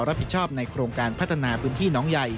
รับผิดชอบในโครงการพัฒนาพื้นที่น้องใหญ่